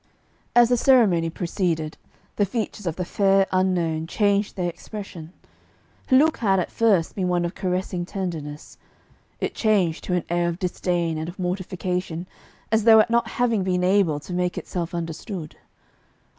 As the ceremony proceeded the features of the fair unknown changed their expression. Her look had at first been one of caressing tenderness; it changed to an air of disdain and of mortification, as though at not having been able to make itself understood.